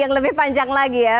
yang lebih panjang lagi ya